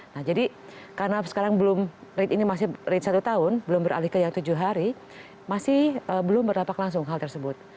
nah jadi karena sekarang belum rate ini masih rate satu tahun belum beralih ke yang tujuh hari masih belum berdampak langsung hal tersebut